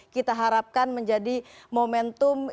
kita harapkan menjadi momentum